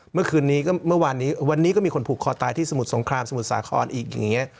เมื่อคืนนี้ก็เมื่อวานนี้วันนี้ก็มีคนผูกคอตายที่สมุทรสงครามสมุทรสาครอีกอย่างนี้